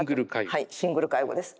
はいシングル介護です。